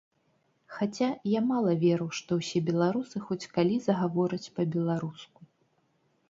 Хаця, я мала веру, што ўсе беларусы хоць калі загавораць па-беларуску.